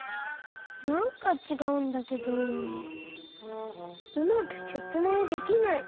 なんかちがうんだけどうまくせつめいできない。